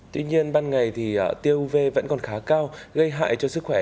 tuy nhiên ban ngày thì tiêu uv vẫn còn khá cao gây hại cho sức khỏe